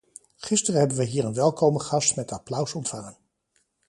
Gisteren hebben wij hier een welkome gast met applaus ontvangen.